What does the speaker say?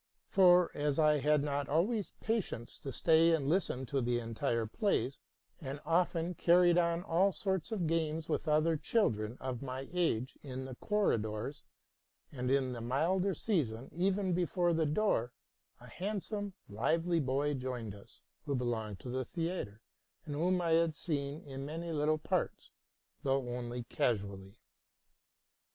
For as I had not always patience to stay and listen to the entire plays, and often carried on all sorts of games with other children of my age in the corridors, and in the milder season even before the door, a handsome, lively boy joined us, who be longed to the theatre, and whom I had seen in many little parts, though only casually.